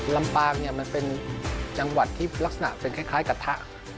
ลำปากเป็นจังหวัดที่ลักษณะเป็นคล้ายกับทะ